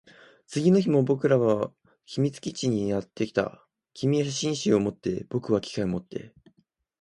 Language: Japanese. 次の日も僕らは秘密基地にやってきた。君は写真集を持って、僕は機械を持って。